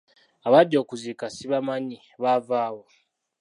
Abajja okuziika sibamanyi, baava wa?